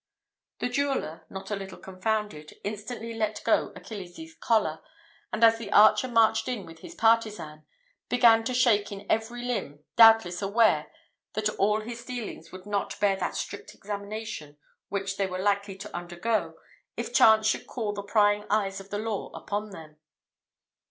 The jeweller, not a little confounded, instantly let go Achilles's collar; and, as the archer marched in with his partisan, began to shake in every limb, doubtless well aware that all his dealings would not bear that strict examination which they were likely to undergo, if chance should call the prying eyes of the law upon them.